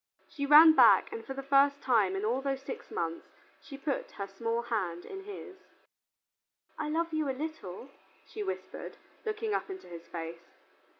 She ran back and for the first time in all those six months she put her small hand in his. "I love you a little," she whispered, looking up into his face.